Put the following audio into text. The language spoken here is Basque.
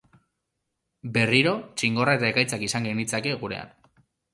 Berriro, txingorra eta ekaitzak izan genitzake gurean.